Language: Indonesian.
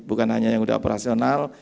bukan hanya yang udah operasional